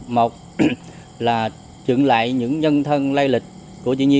một là trưởng lại những nhân thân lai lịch của chị nhi